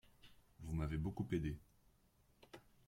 Vous m'avez beaucoup aidé.